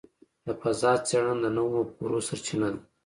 د فضاء څېړنه د نوو مفکورو سرچینه ده.